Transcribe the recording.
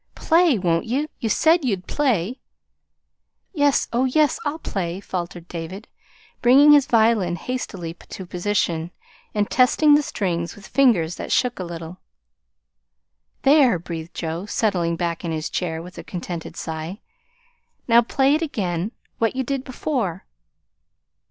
"Play, won't ye? You SAID you'd play!" "Yes, oh, yes, I'll play," faltered David, bringing his violin hastily to position, and testing the strings with fingers that shook a little. "There!" breathed Joe, settling back in his chair with a contented sigh. "Now, play it again what you did before."